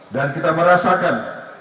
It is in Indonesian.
dan kita merasakan